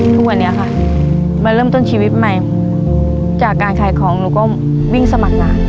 ทุกวันนี้ค่ะมาเริ่มต้นชีวิตใหม่จากการขายของหนูก็วิ่งสมัครงาน